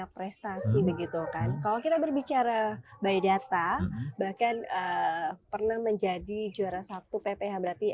prestasi begitu kan kalau kita berbicara by data bahkan pernah menjadi juara satu pph berarti